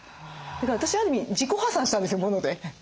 だから私はある意味自己破産したんですよモノで。